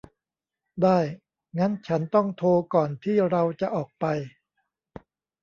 ได้ งั้นฉันต้องโทรก่อนที่เราจะออกไป